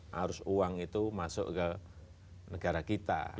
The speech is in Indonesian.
harus uang itu masuk ke negara kita